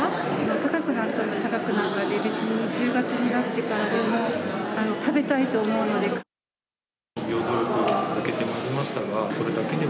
高くなったら高くなったで、別に１０月になってからも食べたいと思うので。